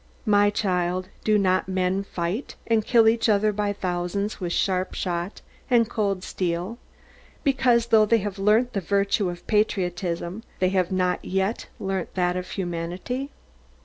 My child, do not men fight, and kill each other by thousands with sharp shot and cold steel, because, though they have learnt the virtue of patriotism, they have not yet learnt that of humanity?